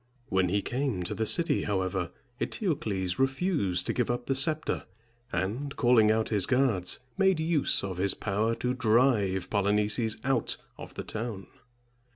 When he came to the city, however, Eteocles refused to give up the scepter, and, calling out his guards, made use of his power to drive Polynices out of the town.